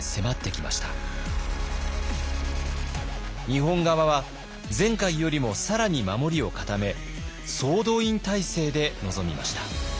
日本側は前回よりも更に守りを固め総動員態勢で臨みました。